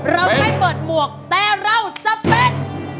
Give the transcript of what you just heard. เราไม่เปิดหมวกแต่เราจะเป็น